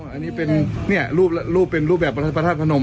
อันนี้เป็นเนี่ยลูกให้ลูกเป็นรูปแบบประทับพระนม